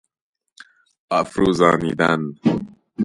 افروزانیدن